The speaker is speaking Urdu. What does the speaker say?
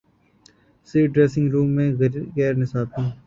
سے ڈریسنگ روم میں غیر نصابی